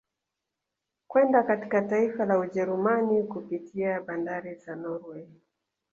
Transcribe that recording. Kwenda katika taifa la Ujerumani kupitia bandari za Norway